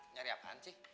nyari apaan sih